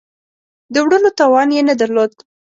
د وړلو توان یې نه درلود.